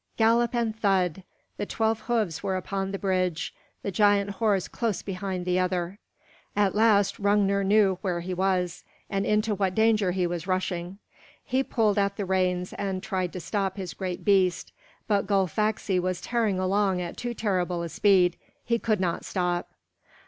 Gallop and thud! The twelve hoofs were upon the bridge, the giant horse close behind the other. At last Hrungnir knew where he was, and into what danger he was rushing. He pulled at the reins and tried to stop his great beast. But Gullfaxi was tearing along at too terrible a speed. He could not stop.